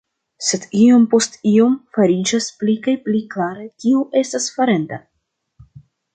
Sed iom post iom fariĝas pli kaj pli klare kio estas farenda.